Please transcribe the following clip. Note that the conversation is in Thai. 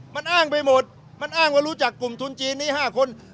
มันอ้างไปหมดมันอ้างว่ารู้จักกลุ่มทุนจีนนี้๕คน